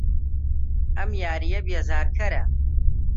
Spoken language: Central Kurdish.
ئەم یارییە بێزارکەرە.